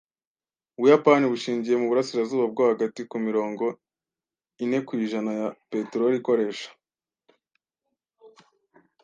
Ubuyapani bushingiye muburasirazuba bwo hagati kuri mirongo inekwijana ya peteroli ikoresha.